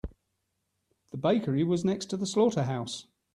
The bakery was next to the slaughterhouse.